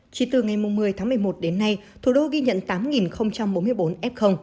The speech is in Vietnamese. chỉ từ ngày một mươi tháng một mươi một đến nay thủ đô ghi nhận tám bốn mươi bốn f